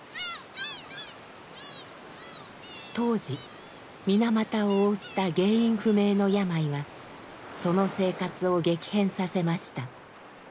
当時水俣を覆った原因不明の病はその生活を激変させました。